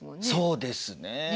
そうですね。